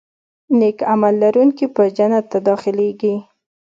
نیک عمل لرونکي به جنت ته داخلېږي.